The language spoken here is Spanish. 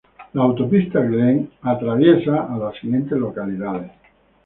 La Autopista Glenn es atravesada por las siguientes localidades.